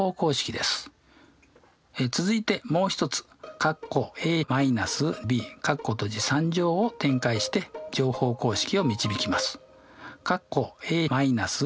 続いてもう一つを展開して乗法公式を導きます。